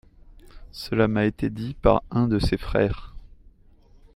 Cela m'a été dit par un de ses frères.